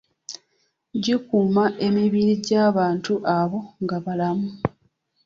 Gikuuma emibiri gy’abantu abo nga balamu.